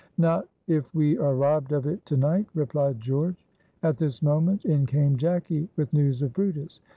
"Not if we are robbed of it to night," replied George. At this moment in came Jacky with news of brutus.